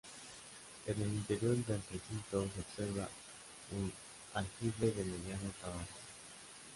En el interior del recinto se observa un aljibe de mediano tamaño.